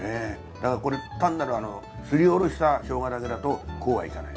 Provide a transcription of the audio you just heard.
だからこれ単なるすりおろした生姜だけだとこうはいかない。